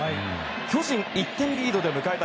巨人、１点リードで迎えた